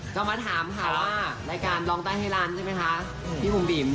จะมาถามค่ะว่ารายการร้องได้ให้ล้านใช่ไหมคะพี่บุ๋มบิ๋ม